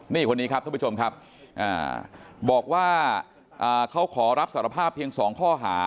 นี่คนนี้ครับท่านผู้ชมครับบอกว่าเขาขอรับสารภาพเพียง๒ข้อหา